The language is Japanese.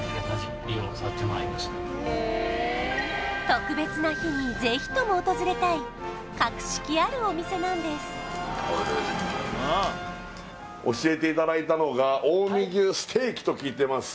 特別な日にぜひとも訪れたい格式あるお店なんですと聞いてます